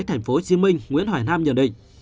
tp hcm nguyễn hoài nam nhận định